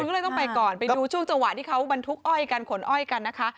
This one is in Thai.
ก็เลยต้องไปก่อนไปดูช่วงจังหวะที่เขาบรรทุกอ้อยกันขนอ้อยกันนะคะ